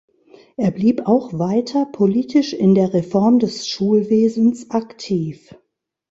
Er blieb auch weiter politisch in der Reform des Schulwesens aktiv.